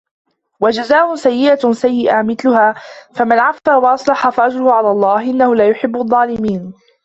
وجزاء سيئة سيئة مثلها فمن عفا وأصلح فأجره على الله إنه لا يحب الظالمين